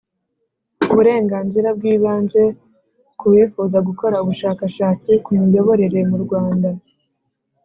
uburenganzira bw ibanze ku bifuza gukora ubushakashatsi ku miyoborere mu Rwanda